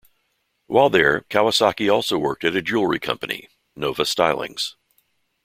While there, Kawasaki also worked at a jewelry company, Nova Stylings.